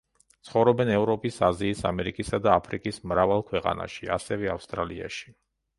ცხოვრობენ ევროპის, აზიის, ამერიკისა და აფრიკის მრავალ ქვეყანაში, ასევე ავსტრალიაში.